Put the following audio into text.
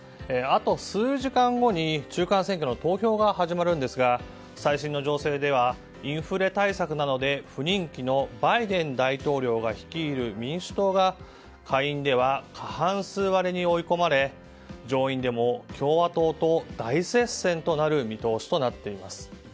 あと数時間後に中間選挙の投票が始まるんですが最新の情勢ではインフレ対策などで不人気のバイデン大統領が率いる民主党が下院では過半数割れに追い込まれ上院でも共和党と大接戦となる見通しとなっています。